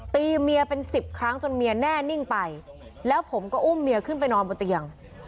ตีเมียเป็นสิบครั้งจนเมียแน่นิ่งไปแล้วผมก็อุ้มเมียขึ้นไปนอนบนเตียง